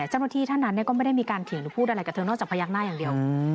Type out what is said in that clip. เจ้าหน้าที่ท่านนั้นก็ไม่ได้มีการเถียงหรือพูดอะไรกับเธอนอกจากพยักหน้าอย่างเดียว